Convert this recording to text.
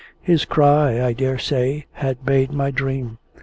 (His cry, I dare say, had made my dream.)